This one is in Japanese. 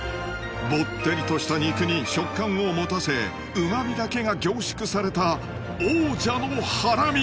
ぼってりとした肉に食感を持たせ旨味だけが凝縮された王者のハラミ